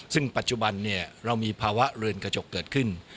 ซึ่งปัจจุบันเรามีภาวะเรือนกระจกเกิดขึ้น